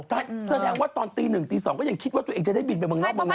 แสดงว่าตอนตีหนึ่งตี๒ก็ยังคิดว่าตัวเองจะได้บินไปเมืองนอกเมืองนั้น